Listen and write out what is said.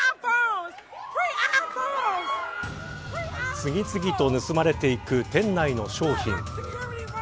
次々と盗まれていく店内の商品。